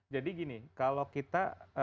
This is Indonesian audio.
jadi begini kalau kita